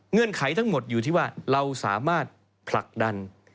ไขทั้งหมดอยู่ที่ว่าเราสามารถผลักดัน